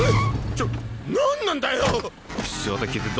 ちょっ何なんだよ！